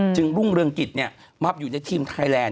รุ่งเรืองกิจมาอยู่ในทีมไทยแลนด